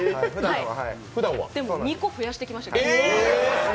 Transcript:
でも２個、増やしてきました。